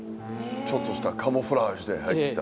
ちょっとしたカムフラージュで入ってきたんですね。